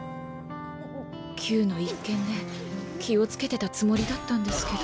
「Ｑ」の一件で気をつけてたつもりだったんですけど。